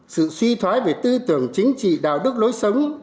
sự suy thoái về tư tưởng chính trị đạo đức lối sống